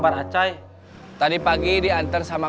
pernah pulang aja